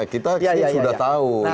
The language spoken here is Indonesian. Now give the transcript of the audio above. kita sudah tahu